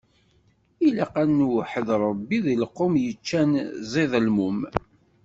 Ilaq ad nweḥḥed Ṛebbi, deg lqum yeččan ẓidelmum.